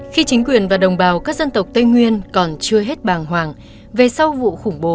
khi chính quyền và đồng bào các dân tộc tây nguyên còn chưa hết bàng hoàng về sau vụ khủng bố